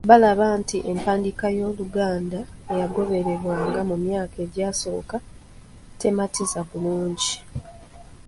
Baalaba nti empandiika y’Oluganda eyagobererwanga mu myaka egyasooka tematiza bulungi.